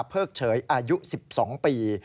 เพิกเฉยอายุ๑๒ปี